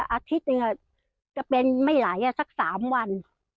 อาทิตย์หนึ่งจะเป็นไม่ไหลสัก๓วัน